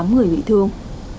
tám người bị thương